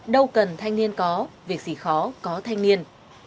đâu cần thanh niên có việc gì khó có thanh niên